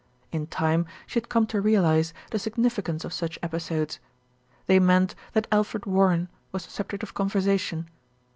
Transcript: In time she had come to realise the significance of such episodes they meant that Alfred Warren was the subject of conversation.